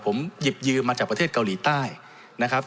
ผมหยิบยืมมาจากประเทศเกาหลีใต้นะครับ